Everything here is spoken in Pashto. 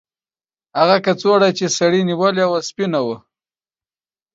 هغه کڅوړه چې سړي نیولې وه سپینه وه.